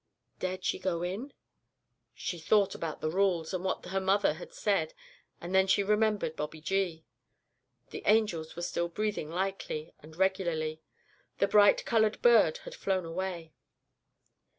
Dared she go in? She thought about the rules, and what her mother had said, and then she remembered Bobby Gee. The angels were still breathing lightly and regularly. The bright coloured bird had flown away.